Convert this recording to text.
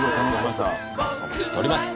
お待ちしております。